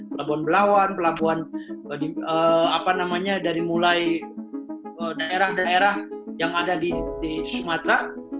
pelabuhan belawan pelabuhan dari mulai daerah daerah yang ada di sumatera